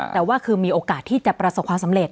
แต่ว่าคือมีโอกาสที่จะประสบความสำเร็